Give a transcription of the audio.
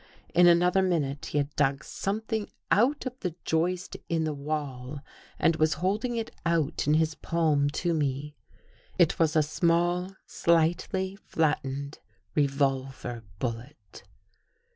In another minute he had dug 225 THE GHOST GIRL something out of the joist in the wall and was hold ing it out in his palm to me. It was a small, slightly flattened revolver bullet.